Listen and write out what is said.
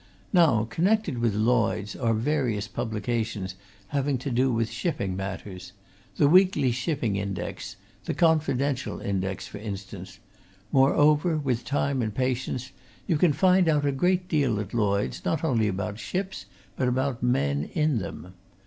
Now, connected with Lloyds, are various publications having to do with shipping matters the 'Weekly Shipping Index,' the 'Confidential Index,' for instance; moreover, with time and patience, you can find out a great deal at Lloyds not only about ships, but about men in them.